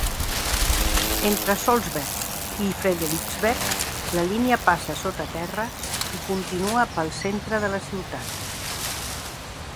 Entre Solbjerg i Frederiksberg, la línia passa sota terra i continua pel centre de la ciutat.